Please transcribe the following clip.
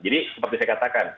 jadi seperti saya katakan